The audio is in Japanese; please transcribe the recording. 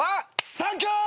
サンキュー！